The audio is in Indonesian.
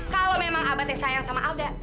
kalau memang abadnya sayang sama alda